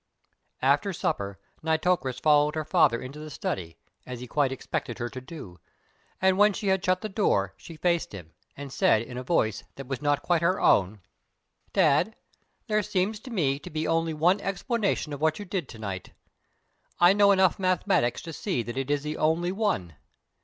After supper Nitocris followed her father into the study, as he quite expected her to do, and when she had shut the door, she faced him and said in a voice that was not quite her own: "Dad, there seems to me to be only one explanation of what you did to night. I know enough mathematics to see that it is the only one.